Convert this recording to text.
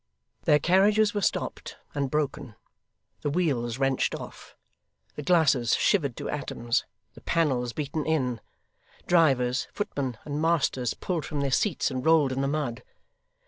Their carriages were stopped and broken; the wheels wrenched off; the glasses shivered to atoms; the panels beaten in; drivers, footmen, and masters, pulled from their seats and rolled in the mud.